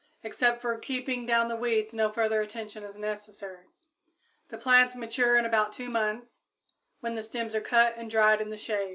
Except for keeping down the weeds no further attention is necessary. The plants mature in about two months, when the stems are cut and dried in the shade.